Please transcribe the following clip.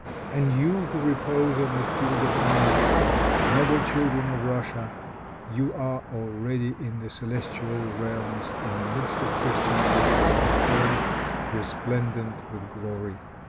"And you who repose on the field of honor, noble children of Russia, you are already in the celestial realms, in the midst of Christian martyrs and all resplendent with glory.